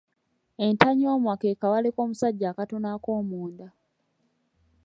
Entanyoomwa ke kawale k’omusajja akatono akoomu nda.